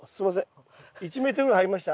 １ｍぐらい入りました？